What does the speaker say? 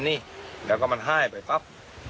นี่นะคะครับ